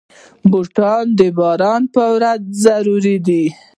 بوټونه د باران پر ورځ ضروري دي.